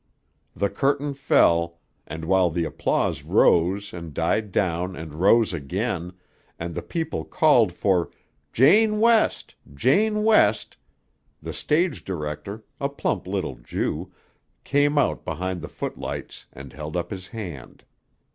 The curtain fell, and while the applause rose and died down and rose again, and the people called for "Jane West! Jane West!" the stage director, a plump little Jew, came out behind the footlights and held up his hand.